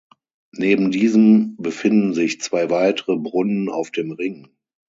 Neben diesem befinden sich zwei weitere Brunnen auf dem Ring.